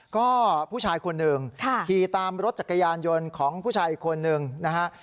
ก็ผู้ชายคนหนึ่งขี่ตามรถจักรยานยนต์ของผู้ชายอีกคนนึงนะฮะ